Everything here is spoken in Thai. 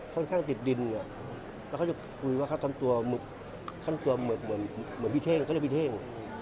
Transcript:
ค่อนข้างติดดินแล้วเขาจะคุยว่าเขาทำตัวเหมือนพี่เท่ง